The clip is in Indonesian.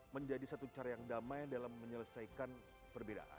menjadi satu cara yang damai dalam menyelesaikan perbedaan